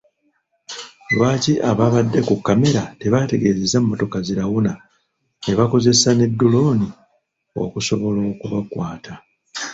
Lwaki abaabadde ku kkamera tebaategeezezza mmotoka zirawuna ne bakozesa ne ddulooni okusobola okubakwata.